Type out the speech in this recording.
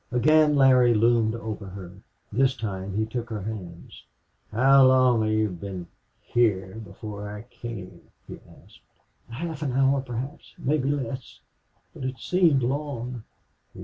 Again Larry loomed over her. This time he took her hands. "How long had you been heah before I came?" he asked. "Half an hour, perhaps; maybe less. But it seemed long."